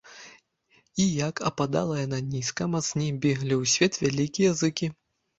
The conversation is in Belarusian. І як ападала яна нізка, мацней беглі ў свет вялікія зыкі.